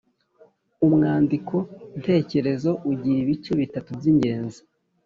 Umwandiko ntekerezo ugira ibice bitatu by’ingenzi: